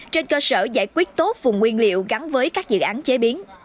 trên cơ sở giải quyết tốt vùng nguyên liệu gắn với các dự án chế biến